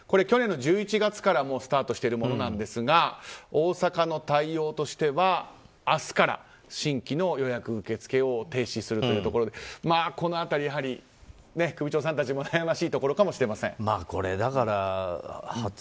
去年の１１月からスタートしているものですが大阪の対応としては明日から新規の予約受け付けを停止するというところでこの辺りは首長さんたちも悩ましいところかもしれません。